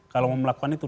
kalau mau melakukan itu